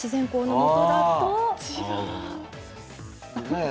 違う。